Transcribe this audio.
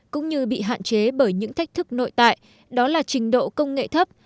cũng như bị hạn chế bởi những thách thức nội tại đó là trình độ công nghệ thấp